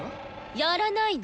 やらないの？